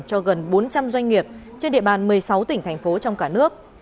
cho gần bốn trăm linh doanh nghiệp trên địa bàn một mươi sáu tỉnh thành phố trong cả nước